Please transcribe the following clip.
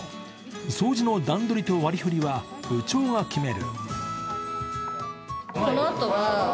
掃除の段取りと割り振りは部長が決める。